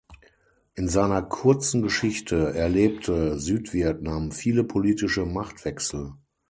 In seiner kurzen Geschichte erlebte Südvietnam viele politische Machtwechsel.